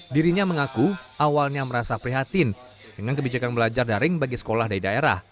dirinya mengaku awalnya merasa prihatin dengan kebijakan belajar daring bagi sekolah dari daerah